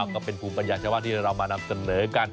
ก็เป็นภูมิปัญญาชาวบ้านที่เรามานำเสนอกัน